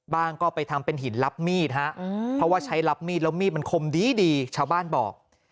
ก็ไปทำเป็นหินรับมีดฮะเพราะว่าใช้รับมีดแล้วมีดมันคมดีชาวบ้านบอก